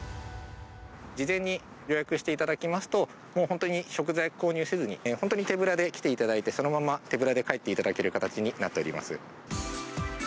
事前に予約していただきますと、もう本当に食材を購入せずに、本当に手ぶらで来ていただいて、そのまま手ぶらで帰っていただける形になっております。